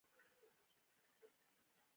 موبایل د خوب پر وخت نه کاروم.